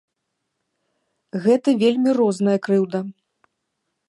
Гэта вельмі розная крыўда.